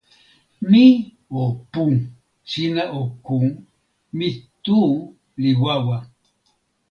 mi o pu. sina o ku. mi tu li wawa.